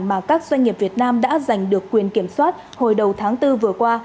doanh nghiệp việt nam đã giành được quyền kiểm soát hồi đầu tháng bốn vừa qua